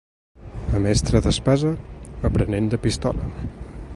A mestre d'espasa, aprenent de pistola.